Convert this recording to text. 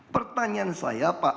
pertanyaan saya pak